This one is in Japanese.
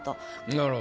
なるほど。